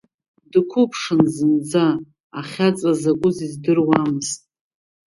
Дқәыԥшын зынӡа, ахьаҵра закәыз издыруамызт.